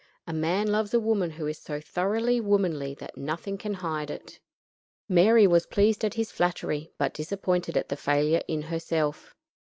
A man loves a woman who is so thoroughly womanly that nothing can hide it." Mary was pleased at his flattery, but disappointed at the failure in herself.